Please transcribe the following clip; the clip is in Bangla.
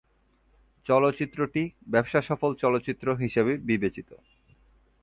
চলচ্চিত্রটি 'ব্যবসা সফল চলচ্চিত্র' হিসেবে বিবেচিত।